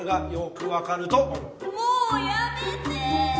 もうやめて